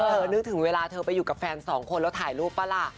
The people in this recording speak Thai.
นึกถึงเวลาเธอไปอยู่กับแฟนสองคนแล้วถ่ายรูปป่ะล่ะ